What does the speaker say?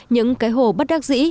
những cái hồ bất đắc dĩ